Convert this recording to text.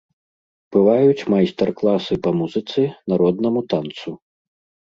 Бываюць майстар-класы па музыцы, народнаму танцу.